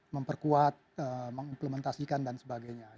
memperkuat mengimplementasikan dan sebagainya